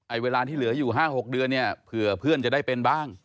เวลาที่เหลืออยู่๕๖เดือนเนี่ยเผื่อเพื่อนจะได้เป็นบ้าง